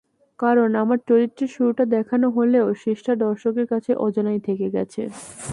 কারণ, আমার চরিত্রের শুরুটা দেখানো হলেও শেষটা দর্শকের কাছে অজানাই থেকে গেছে।